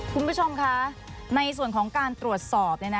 คุณผู้ชมคะในส่วนของการตรวจสอบ